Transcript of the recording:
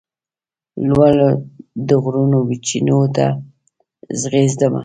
لوړ د غرونو وچېنو ته ږغېدمه